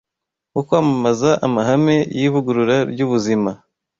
wo kwamamaza amahame y’ivugurura ry’ubuzima